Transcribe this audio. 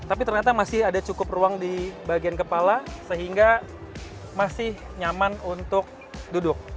tapi ternyata masih ada cukup ruang di bagian kepala sehingga masih nyaman untuk duduk